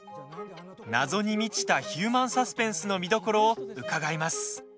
謎に満ちたヒューマンサスペンスの見どころを伺います。